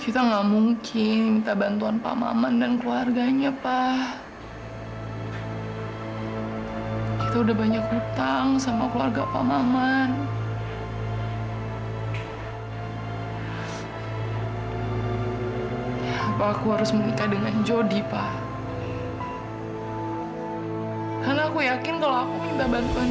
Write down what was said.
sampai jumpa di video selanjutnya